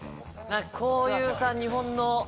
こういうさ日本の。